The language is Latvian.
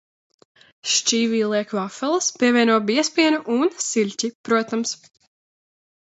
Šķīvī liek vafeles, pievieno biezpienu un siļķi, protams.